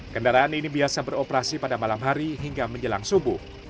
kendaraan ini biasa beroperasi pada malam hari hingga menjelang subuh